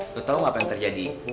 lo tau gak apa yang terjadi